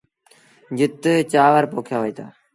جت چآور پوکيآ وهيٚتآ۔